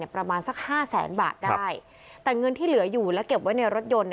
ประมาณสักห้าแสนบาทได้แต่เงินที่เหลืออยู่และเก็บไว้ในรถยนต์